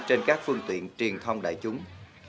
trên các phương tiện truyền thông đại chúng